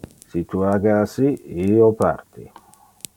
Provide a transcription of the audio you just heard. Si tu age assi, io parti.